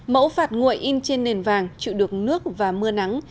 mẫu phạt nguội in trên nền vàng chịu được nước và mưa nắng